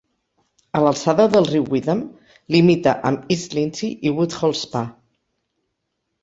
A l'alçada del riu Witham, limita amb East Lindsey i Woodhall Spa.